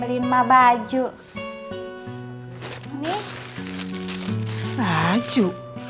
beliin mbak baju